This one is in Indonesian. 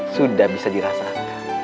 sudah bisa dirasakan